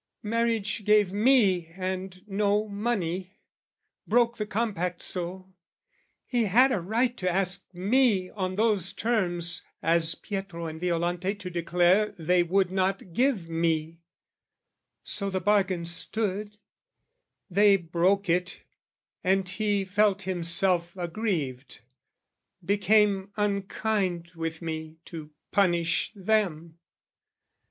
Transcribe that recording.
Marriage gave Me and no money, broke the compact so: He had a right to ask me on those terms, As Pietro and Violante to declare They would not give me: so the bargain stood: They broke it, and he felt himself aggrieved, Became unkind with me to punish them.